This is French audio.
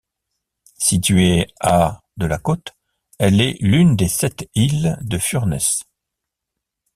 Située à de la côte, elle est l'une des sept îles de Furness.